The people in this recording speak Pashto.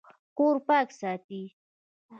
کور پاک ساتئ